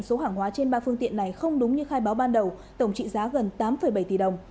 số hàng hóa trên ba phương tiện này không đúng như khai báo ban đầu tổng trị giá gần tám bảy tỷ đồng